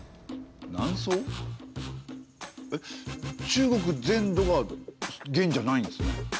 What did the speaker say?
中国全土が元じゃないんですね。